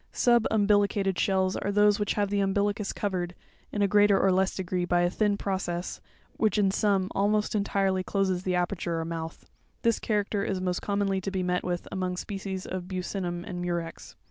(See page 38). Sub umbilicated shells, are those which have the umbilicus covered, in a greater or less degree, by a thin process ; which, in some, almost entirely closes the aperture or mouth. This character is most commonly to be met with among species of Buccinum and Murex.